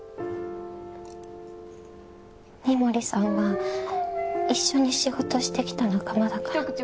三森さんは一緒に仕事してきた仲間だから。